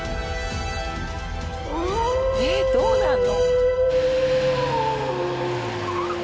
えっどうなんの！？